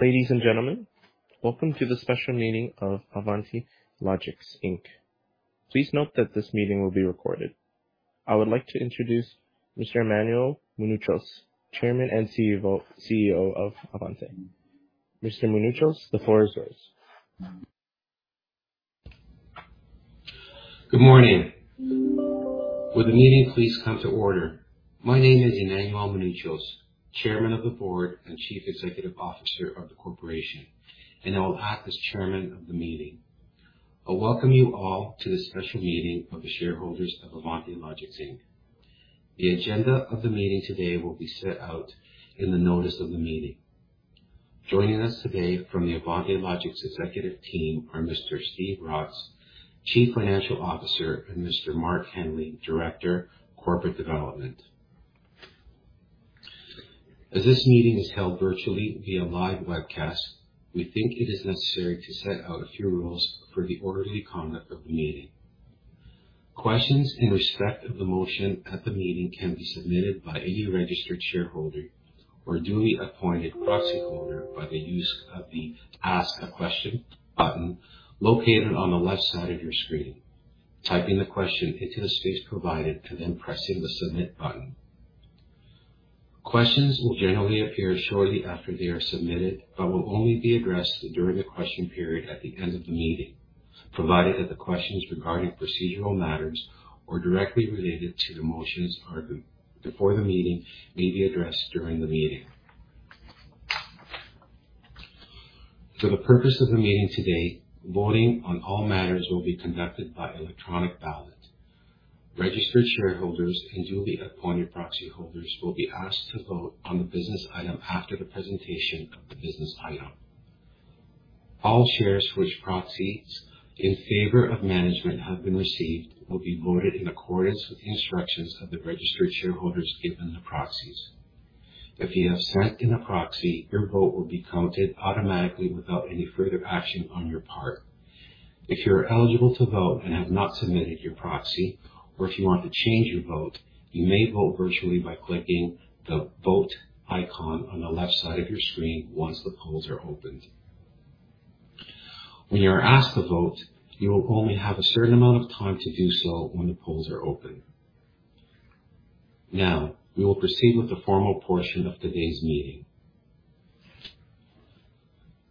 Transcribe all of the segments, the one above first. Ladies and gentlemen, welcome to the Special Meeting of Avante Logixx Inc. Please note that this meeting will be recorded. I would like to introduce Mr. Emmanuel Mounouchos, Chairman and CEO of Avante. Mr. Mounouchos, the floor is yours. Good morning. Will the meeting please come to order. My name is Emmanuel Mounouchos, Chairman of the Board and Chief Executive Officer of the corporation, and I will act as chairman of the meeting. I welcome you all to this special meeting of the shareholders of Avante Logixx Inc. The agenda of the meeting today will be set out in the notice of the meeting. Joining us today from the Avante Logixx executive team are Mr. Stephen Rotz, Chief Financial Officer, and Mr. Marc Henley, Director, Corporate Development. As this meeting is held virtually via live webcast, we think it is necessary to set out a few rules for the orderly conduct of the meeting. Questions in respect of the motion at the meeting can be submitted by any registered shareholder or duly appointed proxyholder by the use of the Ask a Question button located on the left side of your screen, typing the question into the space provided, and then pressing the Submit button. Questions will generally appear shortly after they are submitted, but will only be addressed during the question period at the end of the meeting, provided that the questions regarding procedural matters or directly related to the motions are before the meeting may be addressed during the meeting. For the purpose of the meeting today, voting on all matters will be conducted by electronic ballot. Registered shareholders and duly appointed proxyholders will be asked to vote on the business item after the presentation of the business item. All shares for which proxies in favor of management have been received, will be voted in accordance with the instructions of the registered shareholders given the proxies. If you have sent in a proxy, your vote will be counted automatically without any further action on your part. If you are eligible to vote and have not submitted your proxy, or if you want to change your vote, you may vote virtually by clicking the Vote icon on the left side of your screen once the polls are opened. When you are asked to vote, you will only have a certain amount of time to do so when the polls are open. Now, we will proceed with the formal portion of today's meeting.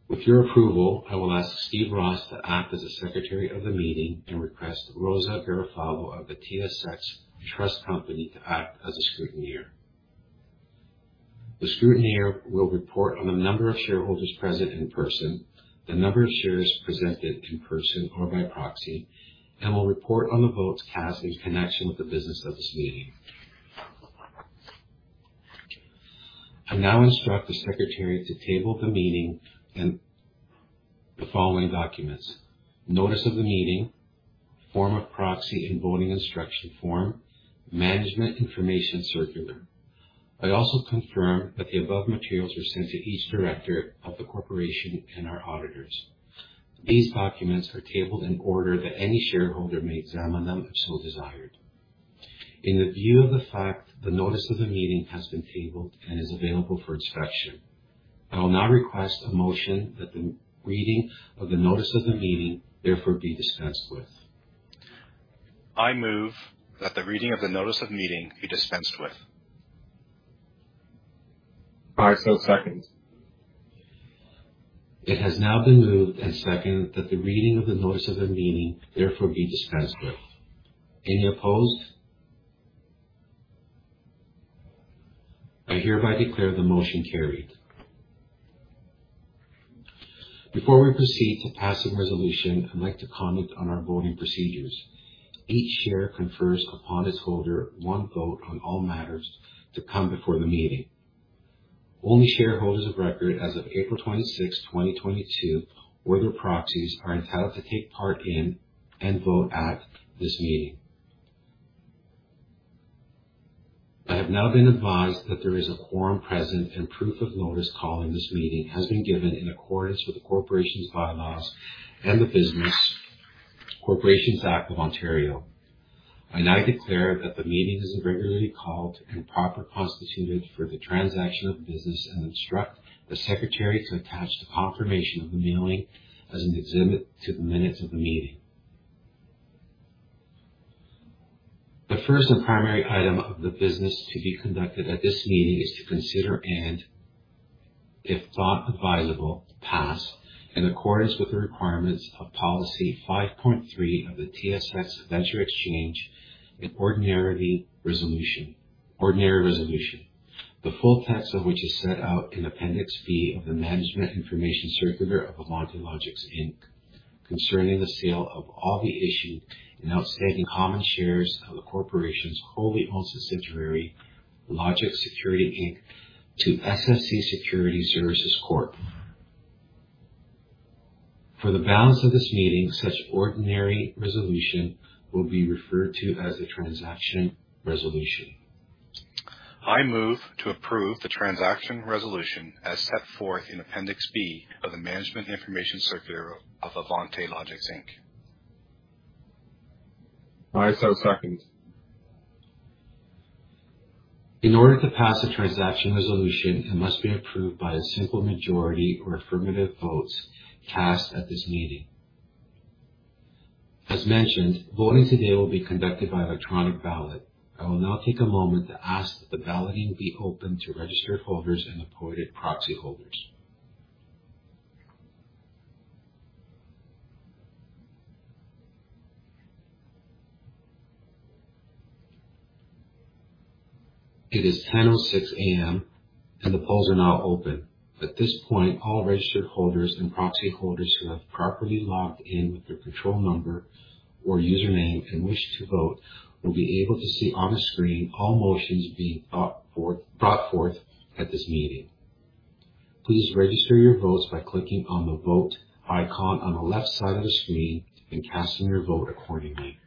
With your approval, I will ask Stephen Rotz to act as the Secretary of the meeting and request Rosa Garofalo of the TSX Trust Company to act as the scrutineer. The scrutineer will report on the number of shareholders present in person, the number of shares presented in person or by proxy, and will report on the votes cast in connection with the business of this meeting. I now instruct the secretary to table the meeting and the following documents. Notice of the meeting, form of proxy and voting instruction form, management information circular. I also confirm that the above materials were sent to each director of the corporation and our auditors. These documents are tabled in order that any shareholder may examine them if so desired. In view of the fact, the notice of the meeting has been tabled and is available for inspection. I will now request a motion that the reading of the notice of the meeting therefore be dispensed with. I move that the reading of the notice of meeting be dispensed with. I second. It has now been moved and seconded that the reading of the notice of the meeting therefore be dispensed with. Any opposed? I hereby declare the motion carried. Before we proceed to pass the resolution, I'd like to comment on our voting procedures. Each share confers upon its holder one vote on all matters to come before the meeting. Only shareholders of record as of April 26, 2022 or their proxies are entitled to take part in and vote at this meeting. I have now been advised that there is a quorum present and proof of notice calling this meeting has been given in accordance with the Corporation's bylaws and the Business Corporations Act of Ontario. I now declare that the meeting is regularly called and properly constituted for the transaction of business, and instruct the secretary to attach the confirmation of the mailing as an exhibit to the minutes of the meeting. The first and primary item of the business to be conducted at this meeting is to consider, and if thought advisable, pass in accordance with the requirements of Policy 5.3 of the TSX Venture Exchange an ordinary resolution, the full text of which is set out in Appendix B of the Management Information Circular of Avante Logixx Inc., concerning the sale of all the issued and outstanding common shares of the corporation's wholly-owned subsidiary, Logixx Security Inc., to SSC Security Services Corp. For the balance of this meeting, such ordinary resolution will be referred to as the transaction resolution. I move to approve the transaction resolution as set forth in Appendix B of the Management Information Circular of Avante Logixx Inc. I so second. In order to pass a transaction resolution, it must be approved by a simple majority or affirmative votes cast at this meeting. As mentioned, voting today will be conducted by electronic ballot. I will now take a moment to ask that the balloting be opened to registered holders and appointed proxy holders. It is 10:00 A.M., and the polls are now open. At this point, all registered holders and proxy holders who have properly logged in with their control number or username and wish to vote will be able to see on the screen all motions being brought forth at this meeting. Please register your votes by clicking on the Vote icon on the left side of the screen and casting your vote accordingly.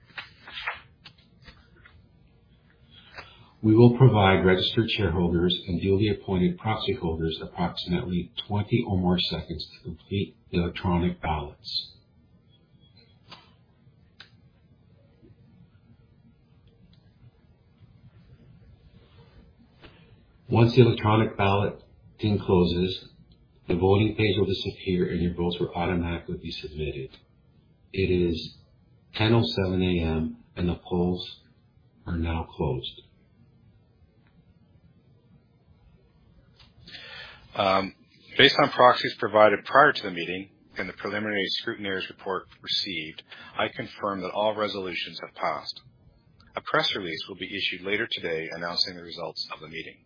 We will provide registered shareholders and duly appointed proxy holders approximately 20 or more seconds to complete the electronic ballots. Once the electronic balloting closes, the voting page will disappear, and your votes will automatically be submitted. It is 10:07 A.M., and the polls are now closed. Based on proxies provided prior to the meeting and the preliminary scrutineer's report received, I confirm that all resolutions have passed. A press release will be issued later today announcing the results of the meeting.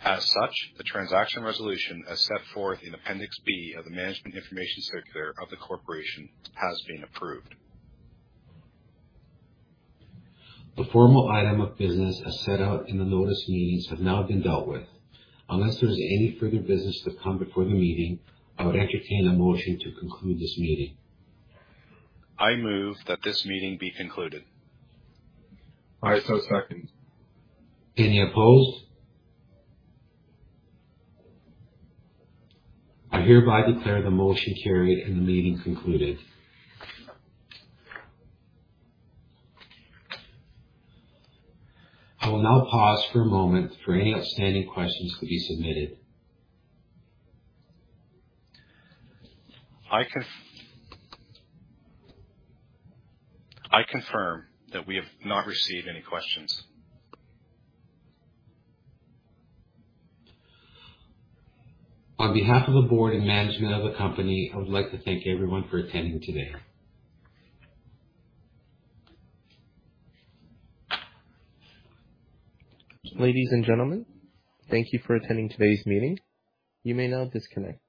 As such, the transaction resolution, as set forth in Appendix B of the Management Information Circular of the corporation, has been approved. The formal item of business as set out in the notice meetings have now been dealt with. Unless there's any further business to come before the meeting, I would entertain a motion to conclude this meeting. I move that this meeting be concluded. I second. Any opposed? I hereby declare the motion carried and the meeting concluded. I will now pause for a moment for any outstanding questions to be submitted. I confirm that we have not received any questions. On behalf of the board and management of the company, I would like to thank everyone for attending today. Ladies and gentlemen, thank you for attending today's meeting. You may now disconnect.